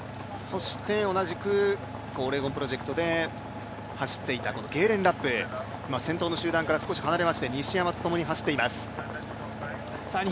そして、同じくオレゴンプロジェクトで走っていたゲーレン・ラップは先頭の集団から離れまして西山とともに走っています。